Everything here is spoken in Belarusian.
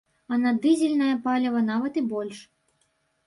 А на дызельнае паліва нават і больш.